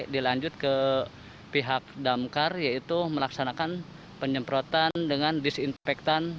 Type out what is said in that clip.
dilanjut ke pihak damkar yaitu melaksanakan penyemprotan dengan disinfektan